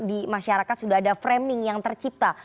di masyarakat sudah ada framing yang tercipta